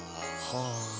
はあ。